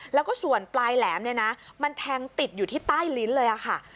แล้วก็ส่วนปลายแหลมเนี่ยนะมันแทงติดอยู่ที่ใต้ลิ้นเลยค่ะ